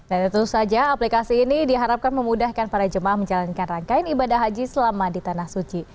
tentu saja aplikasi ini diharapkan memudahkan para jemaah menjalankan rangkaian ibadah haji selama di tanah suci